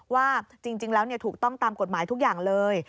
ว่าจริงแล้วถูกต้องตามกฎหมายทุกอย่างเลย